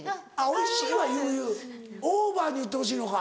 「おいしい」は言う言うオーバーに言ってほしいのか。